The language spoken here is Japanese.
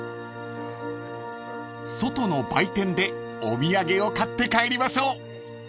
［外の売店でお土産を買って帰りましょう］